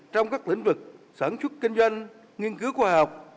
trong các lĩnh vực sản xuất kinh doanh nghiên cứu khoa học